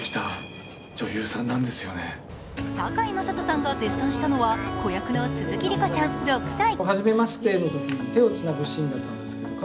堺雅人さんが絶賛したのは子役の鈴木凜子ちゃん６歳。